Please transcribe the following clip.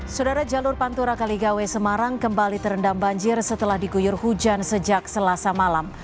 saudara jalur pantura kaligawe semarang kembali terendam banjir setelah diguyur hujan sejak selasa malam